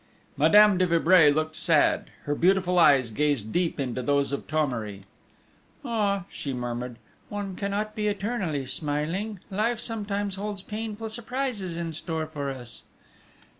Madame de Vibray looked sad: her beautiful eyes gazed deep into those of Thomery: "Ah," she murmured, "one cannot be eternally smiling; life sometimes holds painful surprises in store for us."